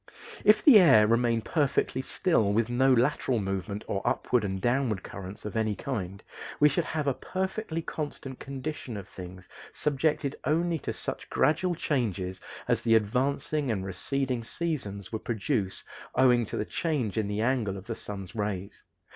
If the air remained perfectly still with no lateral movement or upward and downward currents of any kind, we should have a perfectly constant condition of things subjected only to such gradual changes as the advancing and receding seasons would produce owing to the change in the angle of the sun's rays.